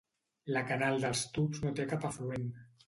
La Canal dels Tubs no té cap afluent.